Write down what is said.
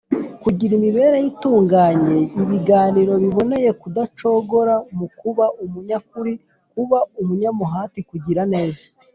kugira imibereho itunganye, ibiganiro biboneye, kudacogora mu kuba umunyakuri, kuba umunyamuhati, kugira neza,